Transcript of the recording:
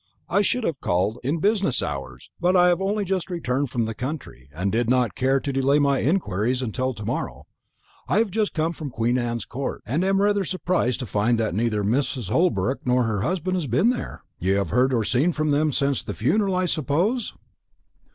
I should have called in business hours; but I have only just returned from the country, and did not care to delay my inquiries until to morrow. I have just come from Queen Anne's Court, and am rather surprised to find that neither Mrs. Holbrook nor her husband has been there. You have seen or heard from them since the funeral, I suppose?"